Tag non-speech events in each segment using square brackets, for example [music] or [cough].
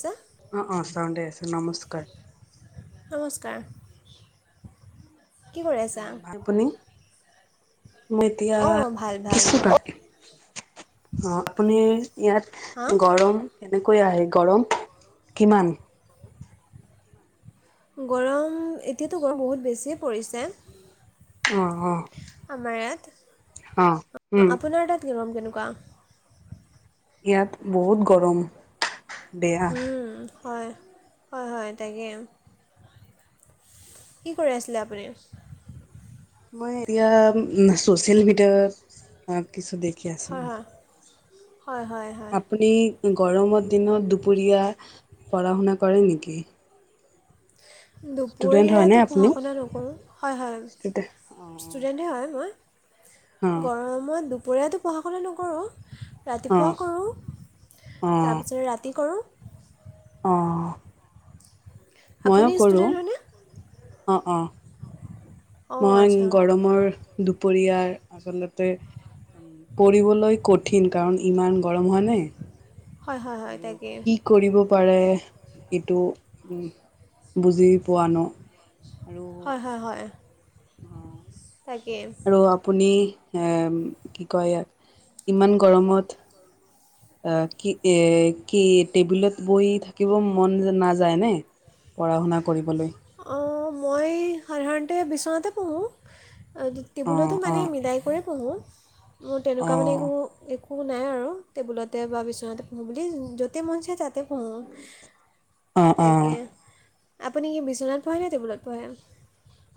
ছা- অঁ' অঁ' চাউণ্ডে আছে নমস্কাৰ। নমস্কাৰ। কৰি আছা অঁ ভাল আপুনি। মই এতিয়া অঁ ভাল ভাল কিছু মোৰ বাদ দিম। অঁ' আপুনি ইয়াত হা গৰম- কেনেকৈ আহে গৰম কিমান? গৰম এতিয়াতো গৰম বহুত বেছিয়ে পৰিছে। অ, অ আমাৰ ইয়াত, অ উম আ-আপোনাৰ তাত গৰম কেনেকুৱা? ইয়াত বহুত গৰম। বেয়া উম হয়, হয়, হয় তাকে কি কৰি আছিলে আপুনি? মই এতিয়া উম ছ'চিয়েল মিডিয়াত আহ কিছু দেখ হা হা, হয়, হয়। আপুনি গৰমৰ দিনত দুপৰীয়া পঢ়া-শুনা কৰে নেকি? ষ্টুডেন্ট হয়নে দুপৰীয়াটো পঢ়া আপুনি শুনা নকৰো। হয়, ষ্টুডেন্ট অ হয়। ষ্টুডেণ্টে হয় মই। অ গৰমত দুপৰীয়াতো পঢ়া শুনা নকৰোঁ। অ ৰাতিপুৱাও কৰোঁ। অ তাৰপিছতে ৰাতি কৰোঁ। আপুনি মইয়ো কৰোঁ। ষ্টুডেণ্ট হয়নে অ, অ। অঁ মই আচ্ছা গৰমৰ দুপৰীয়াৰ আচলতে পঢ়িবলৈ কঠিন, কাৰণ ইমান গৰম হয় নে? হয় হয় হয় আৰু তাকে কি কৰিব পাৰে এইটো উম বুজি পোৱা ন? আৰু হয়, হয়, হয়। অ, তাকে আৰু আপুনি হেম, কি কয় ইয়াক, ইমান গৰমত [unintelligible] অহ, কি এ- কি টেবুলত বহি থাকিব মন নাযায় নে? পঢ়া শুনা কৰিবলৈ। অ, মই সাধাৰণতে বিচনাতে পঢ়োঁ। আ দু টেবুলতো অঁ মানে অঁ মিলাই কৰি পঢ়োঁ। মোৰ তেনেকুৱা মানে অঁ একো একো নাই আৰু টেবুলতে বা বিচনাতে পঢ়ো বুলি য'তে মন যায় তাত তে পঢ়োঁ অঁ তাকে অঁ আপুনি কি বিচনাত পঢ়ে নে টেবুলত পঢ়ে?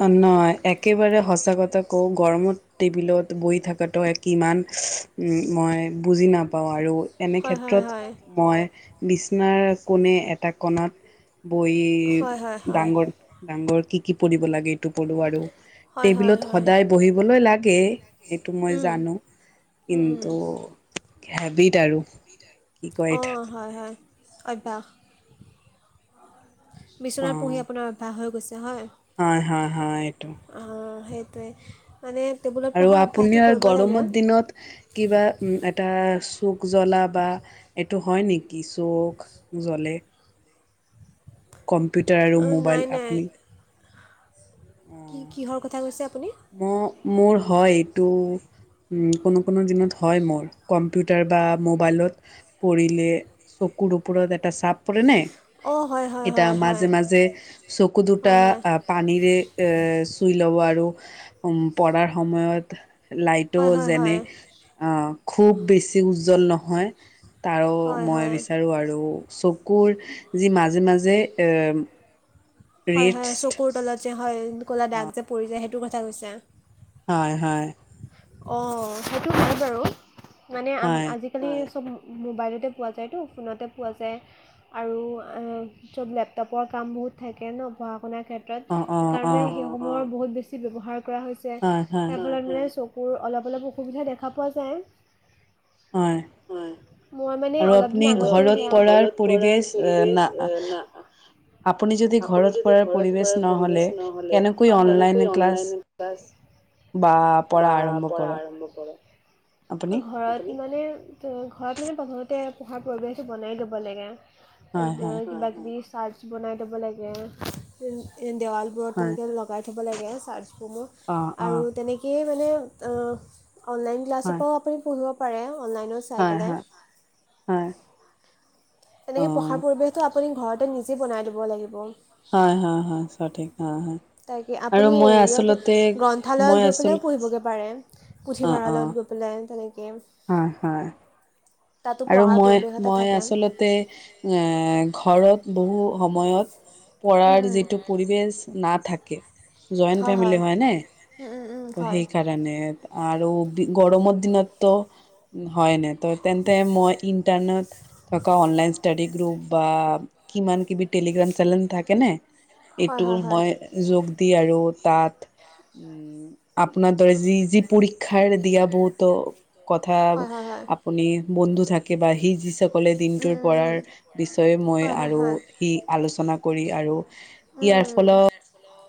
অ, নহয়। একেবাৰে সঁচা কথা কওঁ গৰমত টেবুলত বহি থাকাতো কিমান উম মই বুজি নাপাওঁ আৰু এনে হয় হয় ক্ষেত্ৰত হয় মই বিচনাৰ কোণে এটা কণাত বহি হয় হয় হয় ডাঙৰ-ডাঙৰ কি কি পঢ়িব লাগে এইটো পঢ়ো আৰু। হয় হয় টেবুলত হয় সদায় বহিবলৈ লাগে এইটো মই উম, জানো উম, উম। কিন্তু হেবিট আৰু কি কয় অঁ এঠাত হয় হয় অভ্যাস অ বিচনাত পঢ়ি আপোনাৰ অভ্যাস হৈ গৈছে হয় হয় হয় হয় এইটো আহ সেইটোৱে মানে টেবুল আৰু আপুনিয়ে গৰমৰ দিনত কিবা এটা চুক জ্বলা বা এট টো হয় নেকি চৌখ জ্বলে কম্পিউটাৰ আৰু অঁ, নাই মোবাইল নাই আপুনি অ কি কিহৰ কথা কৈছে আপুনি ম মোৰ হয় এইটো উম কোনো কোনো দিনত হয় মোৰ কম কম্পিউটাৰ বা মোবাইলত পৰিলে চকুৰ ওপৰত এটা চাপ পৰে নাই অঁ হয় হয় এটা হয় হয় মাজে মাজে চকু দুটা হয় হয় আহ পানীৰে এ চুইল'ব আৰু উ পঢ়াৰ সময়ত লাইটো হয় হয় যেনে। হয় খুব বেছি উজ্জ্বল নহয় তাৰো হয় মই হয় বিচাৰোঁ আৰু। চকুৰ যি মাজে মাজে এ। হয় হয় ৰেষ্ট চকুৰ তলত যে হয় ক'লা দাগ যে পৰি যায় সেইটোৰ কথা কৈছে। হয় হয়। অ সেইটো হয় বাৰু মানে আজি। হয় আজিকালি চব মোবাইলতে পোৱা যায়তো ফোনতে পোৱা যায়। আৰু চব লেপটপৰ কাম বহুত থাকে ন পঢ়া শুনাৰ অ ক্ষেত্ৰত। অ অ সেইকাৰণে সেই সমুহৰ বহুত ব্যৱহাৰ হৈছে হয় হয় হেইফালে মানে চকু। মোৰ অলপ অলপ অসুবিধা দেখা পোৱা যায়। হয়। হয়। মই মানে আৰু অলপ দিন আপুনি আগতে আপুনি ঘৰত সেয়া পাৰ পৰাৰ পৰিৱেশ আহ পৰিৱেশ ন। এ, না আপুনি যদি আপুনি ঘৰত যদি পৰাৰ ঘৰত পৰিৱেশ পৰাৰ পৰিৱেশ নহ'লে নহ'লে কেনেকৈ কেনেকৈ অনলাইন ক্লাছ ক্লাছ বা পঢ়া বা আৰম্ভ পঢ়া কৰ। আৰম্ভ কৰে ঘৰত ইমানে ঘৰত মানে প্ৰথমতে পঢ়া পৰিৱেশটো বনাই ল'ব লাগে। হয় হয় কিবা কিবি চাৰ্ছ বনাই দব লাগে দেৱাল। হয় তেনেকে লগাই থব লাগে চাট সমূহ অ অ আৰু তেনেকে। সেয় মানে অনলাইন ক্লাছৰ হয় পৰাও আপুনি পঢ়িব পাৰে অনলাইনত। চাই হয় পেলাই। হয় হয়। অ তেনেকে পঢ়াৰ পৰিৱেশটো আপুনি ঘৰতে নিজে বনাই দিব লাগিব। হয় হয় হয় সঠিক হ হয়। তাকে আৰু আপুনি মই হেৰিয়ত আচলতে মই গ্ৰন্থালয়ত গৈ আচল পেলেও পঢ়িবগৈ পাৰে অ অ পুথিভঁৰালত গৈ। পলোই তেনেকে। হয় হয়। আৰু পঢ়াৰ মই পৰিৱেশ এটা মই থাকে। আচলতে এ ঘৰত বহু সময়ত। পঢাৰ যিটো পৰিৱেশ নাথাকে জইণ্ট হয় হয়। ফেমিলি হয়নে। উম উম উম হয়। যেনে আৰু গৰমৰ দিনতো হয় ন ত। মই ইণ্টাৰনেট। থকা অনলাইন ষ্টাডি গ্ৰুপ বা কিমান কিবি টেলিগ্ৰাম চেনেল থাকেনে। হয় এইটো হয় মই যোগ দি আৰু তাত। আপোনাৰ দৰে যি যি পৰীক্ষাৰ দিয়া বহুতো কথা হয় হয় হয় হয় আপুনি। বন্ধু থাকে বা সি যিসকলে উম দিনটোৰ উম পাৰ উম বিষয়ে মই হয় হয় আৰু হয় কি আলোচনা কৰি আৰু ইয়াৰ ফলত এছল।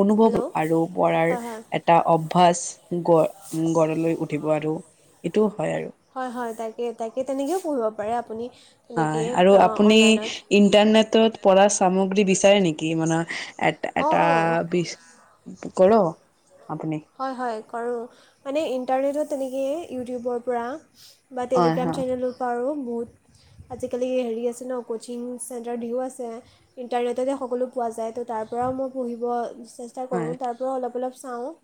অনুভৱ হেল্ল' আৰু পঢ়াৰ হয় হয় এটা অভ্যাস গঢ় গঢলৈ উঠিব আৰু এইটোও হয় আৰু। হয়' হয় তাকে তাকে তেনেকৈও পঢ়িব পাৰে আপুনি। হয় তেনেকৈয়ে আৰু আপুনি অনলাইনত ইণ্টাৰনেটৰ পৰা সামগ্ৰী বিচাৰে নেকি? অঁ এটা অঁ বি কৰ আপুনি? হয়, হয় কৰোঁ মানে ইণ্টাৰনেটত তেনেকেই ইউটিউবৰ পৰা বা হয় টেলিগ্ৰাম হয় চেনেলৰ পাৰো বহুত আজিকালি হেৰি আছে ন কোচিং চেণ্টাৰ দিও আছে। ইণ্টাৰনেটতে সকলো পোৱা যায়, ত' তাৰ পৰাও মই পঢ়িব চে ষ্টা হয় কৰোঁ, তাৰ পৰাও অলপ অলপ চাওঁ।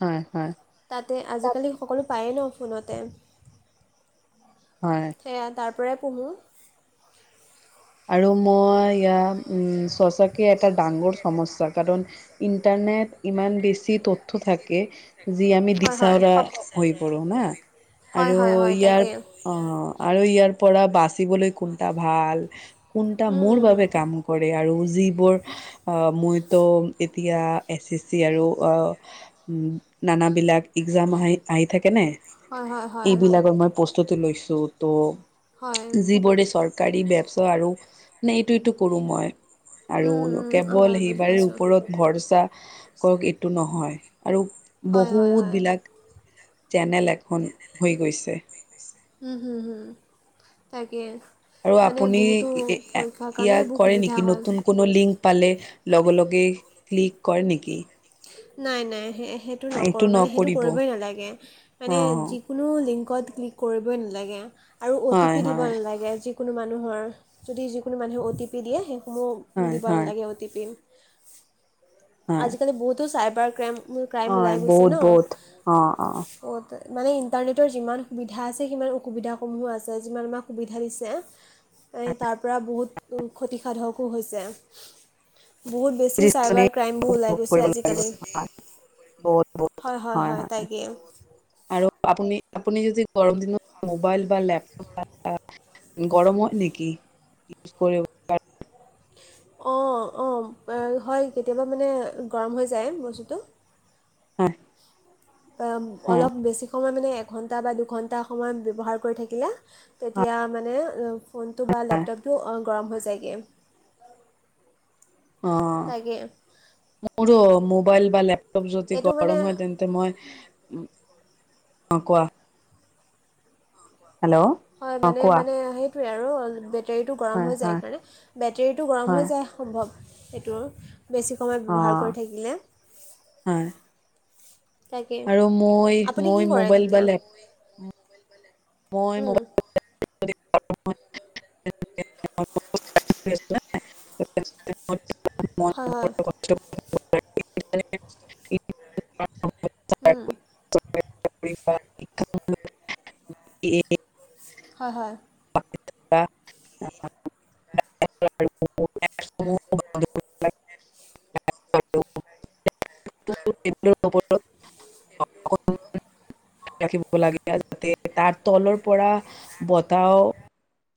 হয়, হয়। তাতে আজিকালি সকলো পায়েই ন ফোনতে। হয়। সেয়া তাৰ পৰাই পঢ়ো। আৰু মই ইয়াত উম সঁচাকে এটা ডাঙৰ সমস্যা, কাৰণ ইণ্টাৰনেট ইমান বেছি তথ্য থাকে যি আমি হয় হয় দিশহাৰা হৈ পৰো না, হয় আৰু হয় হয় ইয়াৰ তাকে অ', আৰু ইয়াৰ পৰা বাচিবলৈ কোনটা ভাল। কোনটা উম মূল উম উম বাবে কাম কৰে, আৰু যিবোৰ অ' মই ত' এতিয়া এছ এছ চি আৰু আ উম। নানা বিলাক এক্সাম আহি আহি থাকে নাই? হয় হয় হয় এইবিলাকৰ মই প্ৰস্তুটি লৈছো, হয় ত' যিবোৰে চৰ কাৰী ব্য আৰু নে ইটো সিটো কৰোঁ মই। আৰু উম উম উম কেৱল হয় বুজি সিবাৰে পাইছোঁ ওপৰত ভৰসা কওক এইটো নহয়, আৰু হয় হয় বহুত হয় বিলাক চেনেল এখন হৈ গৈছে। হুম, হুম, হুম তাকে। আৰু মানে আপুনি বহুতো পৰীক্ষাৰ [unintelligible] কাৰণে ইয়াক এইবোৰ কৰে সুবিধা নেকি হয় নতুন কোনো লিংক? পালে লগে লগে ক্লিক কৰে নেকি? নাই নাই। সে সেটো এইটো নকৰোঁ মানে, সেইটো নকৰিব অ কৰিবই নালাগে। মানে যি কোনো লিংকত ক্লিক কৰিবই নালাগে, আৰু অ' টি হয় পি দিব হয় নালাগে। যি কোনো মানুহৰ যদি যিকোনো মানুহে অ' টি পি দিয়ে, সেইসমূহ হয় দিব হয় নালাগে অ' টি পি। হয় আজিকালি বহুতো চাইবাৰ ক্ৰাইম অ ক্ৰাইম ওলাই গৈছে বহুত ন। বহুত অ অ [unintelligible] মানে ইণ্টাৰনেটৰ যিমান সুবিধা আছে, সিমান অসুবিধাসমূহো আছে। যিমান আমাক সুবিধা দিছে তাৰ পৰা বহুত ক্ষতিসাধকো হৈছে। বহুত বেছি চাইবাৰ ক্ৰাইমবোৰ ওলাই উপভোগ গৈছে কৰিব লাগিব আজিকালি। হয় হয়, হয়, হয় তাকে। আৰু আপুনি আপুনি যদি গৰম দিনত মোবাইল বা লেপটপ বা গৰম হয় নেকি? [unintelligible] অঁ, অঁ হয়, কেতিয়াবা মানে গৰম হৈ যায় বস্তুটো। [unintelligible] হয় অলপ বেছি সময় মানে এঘণ্টা বা দুঘণ্টা সময় ব্যৱহাৰ কৰি থাকিলে। তেতিয়া মানে ফোনটো বা লেপটপটো গৰম হৈ যায়গে। অ'। তাকে মোৰো মোবাইল বা লেপটপ যদি এইটো মানে গৰম হয় তেন তে মই, অ কোৱা? হেল্ল' হয়, অ কোৱা মানে-মানে সেইটোৱে আৰু বেটেৰীটো গৰম হয় হৈ যায় হয় সেইকাৰণে। বেটেৰীটো গৰম হয় হৈ যায় সম্ভৱ, সেইটোৰ। বেছি সময় অ ব্যৱহাৰ কৰি থাকিলে। হয়। তাকে আৰু মই আপুনি কি মই কৰে মোবাইল তেতিয়া বেলেগ। মই ম উম, [inaudible] হয়, হয়। উম। [unintelligible] হয়, হয়। [unintelligible] [unintelligible] ওপৰত [unintelligible] [unintelligible] ৰাখিব লাগে যাতে তাৰ তলৰ পৰা বতাহো